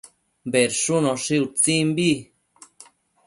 Bedshunoshi utsimbi